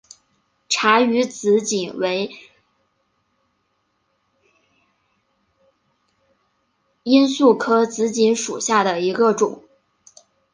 察隅紫堇为罂粟科紫堇属下的一个种。